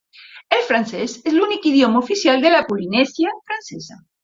El francès és l'únic idioma oficial de la Polinèsia Francesa.